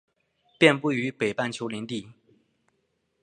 遍布于北半球林地。